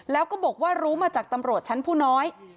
แล้วก็บอกว่ารู้มาจากตำรวจชั้นผู้น้อย